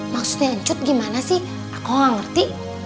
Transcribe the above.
maksudnya cut gimana sih aku gak ngerti